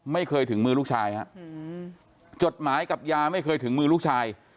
ไม่เคยถึงมือลูกชายฮะจดหมายกับยาไม่เคยถึงมือลูกชาย